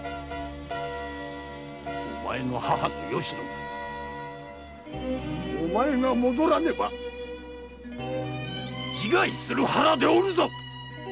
お前の母・よし乃もお前が戻らねば自害する腹でおるぞ！